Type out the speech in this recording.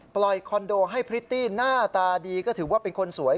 คอนโดให้พริตตี้หน้าตาดีก็ถือว่าเป็นคนสวย